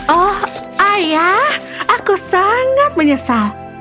oh ayah aku sangat menyesal